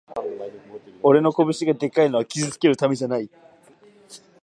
俺の拳がでかいのは傷つけるためじゃない